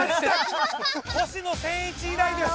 星野仙一以来です。